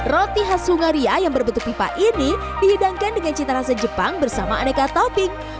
roti khas sungaria yang berbentuk pipa ini dihidangkan dengan cita rasa jepang bersama aneka topping